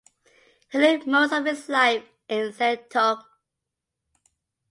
He lived most of his life in Saintonge.